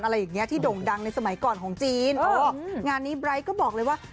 อะไรอย่างเงี้ที่ด่งดังในสมัยก่อนของจีนอ๋องานนี้ไร้ก็บอกเลยว่า